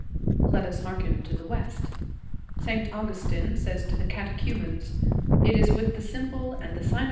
Let us hearken to the West. St. Augustin says to the catechumens: "It is with the symbol and the Sign of the Cross * S.